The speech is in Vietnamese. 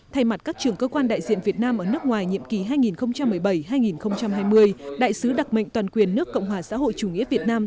thay mặt các trưởng cơ quan đại diện việt nam ở nước ngoài nhiệm kỳ hai nghìn một mươi bảy hai nghìn hai mươi đại sứ đặc mệnh toàn quyền nước cộng hòa xã hội chủ nghĩa việt nam